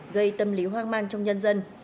gây tâm lý hoang mang trong nhân dân